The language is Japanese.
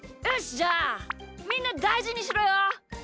じゃあみんなだいじにしろよ。